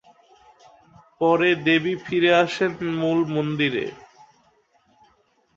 পরে দেবী ফিরে আসেন মূল মন্দিরে।